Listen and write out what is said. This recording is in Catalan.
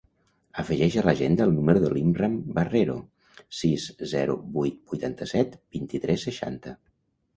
Afegeix a l'agenda el número de l'Imran Barrero: sis, zero, vuit, vuitanta-set, vint-i-tres, seixanta.